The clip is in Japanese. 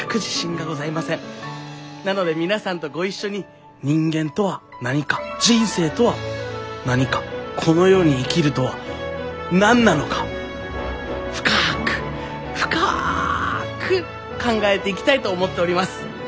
なので皆さんとご一緒に人間とは何か人生とは何かこの世に生きるとは何なのかを深く深く考えていきたいと思っております。